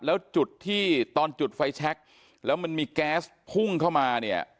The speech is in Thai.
แล้วจุดที่ตอนจุดไฟแชคแล้วมันมีแก๊สพุ่งเข้ามาเนี่ย